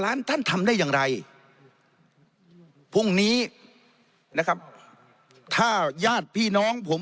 ท่านทำได้อย่างไรพรุ่งนี้นะครับถ้าญาติพี่น้องผม